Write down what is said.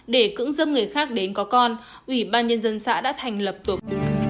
để cưỡng dâm người khác đến có con ủy ban nhân dân xã đã thành lập tục